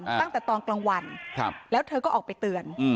ตั้งแต่ตอนกลางวันแล้วเธอก็ออกไปเตือน